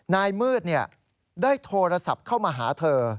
นายมืดได้โทรศัพท์เข้ามาหาเธอ